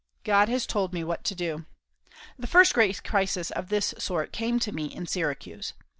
God has told me what to do. The first great crisis of this sort came to me in Syracuse.